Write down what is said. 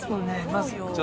まず。